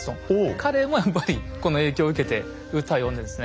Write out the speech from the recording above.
彼もやっぱりこの影響を受けて歌を詠んでるんですね。